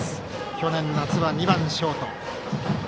去年夏は２番ショート。